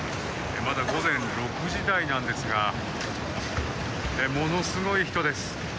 まだ午前６時台なんですがものすごい人です。